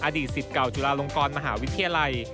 อดีตสิทธิ์เก่าจุฬาลงกรมหาวิทยาลัย